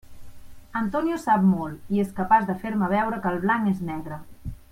Antonio sap molt i és capaç de fer-me veure que el blanc és negre.